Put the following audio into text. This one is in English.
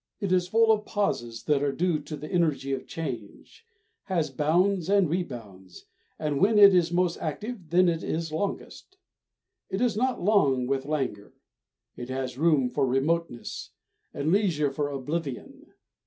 It is full of pauses that are due to the energy of change, has bounds and rebounds, and when it is most active then it is longest. It is not long with languor. It has room for remoteness, and leisure for oblivion.